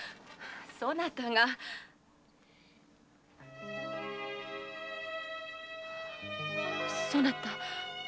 そなたが⁉そなた